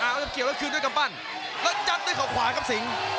เอาแล้วเกี่ยวแล้วคืนด้วยกำปั้นแล้วยัดด้วยเขาขวาครับสิง